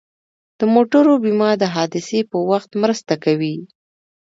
د موټرو بیمه د حادثې په وخت مرسته کوي.